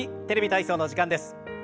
「テレビ体操」の時間です。